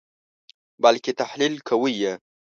بلکې تحلیل کوئ یې.